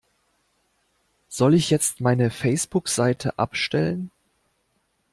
Soll ich jetzt meine Facebookseite abstellen?